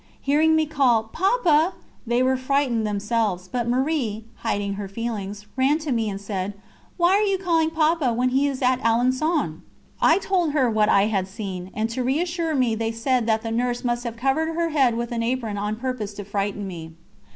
Hearing me call "Papa!" they were frightened themselves, but Marie, hiding her feelings, ran to me and said: "Why are you calling Papa, when he is at Alençon?" I told her what I had seen, and to reassure me they said that Nurse must have covered her head with her apron on purpose to frighten me.